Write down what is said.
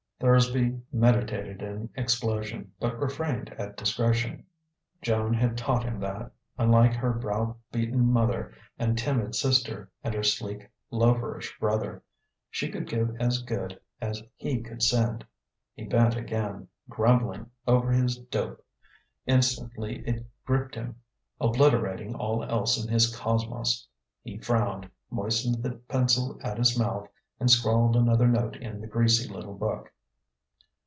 Thursby meditated an explosion, but refrained at discretion: Joan had taught him that, unlike her browbeaten mother and timid sister and her sleek, loaferish brother, she could give as good as he could send. He bent again, grumbling, over his dope. Instantly it gripped him, obliterating all else in his cosmos. He frowned, moistened the pencil at his mouth, and scrawled another note in the greasy little book.